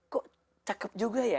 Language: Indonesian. kok cakep juga ya